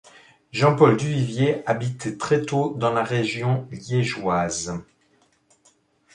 Jean-Paul Duvivier habite très tôt dans la région liégeoise.